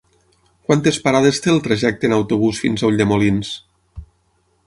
Quantes parades té el trajecte en autobús fins a Ulldemolins?